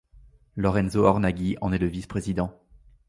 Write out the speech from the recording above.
Lorenzo Ornaghi en est le vice-président.